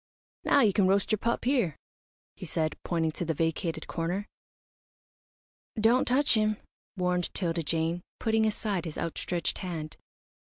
"Now you can roast your pup here," he said, pointing to the vacated corner. "Don't touch him," warned 'Tilda Jane, putting aside his outstretched hand.